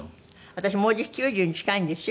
私もうじき９０に近いんですよ。